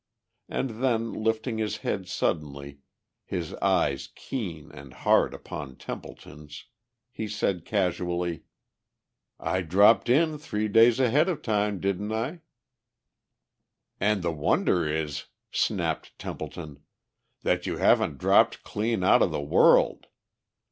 And then, lifting his head suddenly, his eyes keen and hard upon Templeton's, he said casually, "I dropped in three days ahead of time, didn't I?" "And the wonder is," snapped Templeton, "that you haven't dropped clean out of the world!